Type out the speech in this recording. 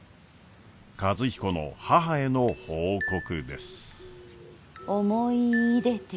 和彦の母への報告です。